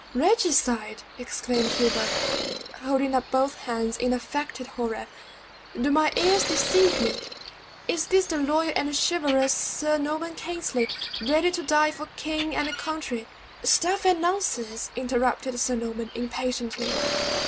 "Regicide!" exclaimed Hubert, holding up both hands in affected horror. "Do my ears deceive me? Is this the loyal and chivalrous Sir Norman Kingsley, ready to die for king and country " "Stuff and nonsense!" interrupted Sir Norman, impatiently.